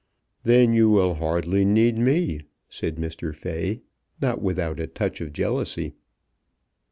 "Then you will hardly need me," said Mr. Fay, not without a touch of jealousy.